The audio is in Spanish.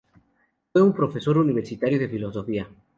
Fue un profesor universitario de filosofía.